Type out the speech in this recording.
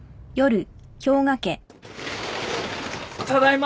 ただいま。